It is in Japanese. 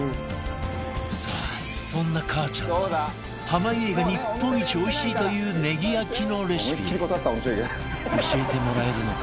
さあそんなかあちゃんの濱家が日本一おいしいというネギ焼きのレシピ教えてもらえるのか？